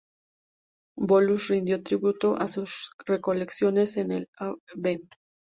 Bolus rindió tributo a sus recolecciones en el v.